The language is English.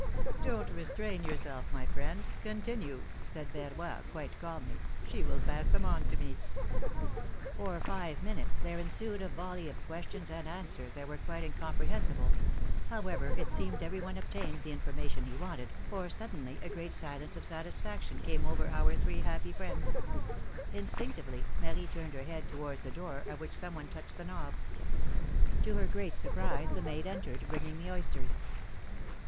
Don^t restrain yourself, my friend ; continue," said Verroy, quite calmly: '^she will pass them on to me." philom^:ne's marriages. 281 For five minutes there ensued a volley of questions and answers that were quite incomprehensible; however, it seemed every one obtained the information he wanted, for suddenly a great silence of satisfaction came over our three happy friends. Instinctively, Marie turned her head to wards the door, of which some one touched the knob. To her great surprise, the maid entered bringing the oysters.